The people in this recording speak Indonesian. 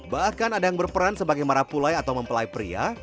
bahkan ada yang berperan sebagai marapulai atau mempelai pria